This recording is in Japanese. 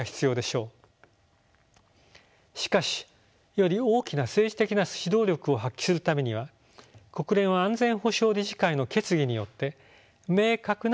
しかしより大きな政治的な指導力を発揮するためには国連は安全保障理事会の決議によって明確な任務を与えられることが必要です。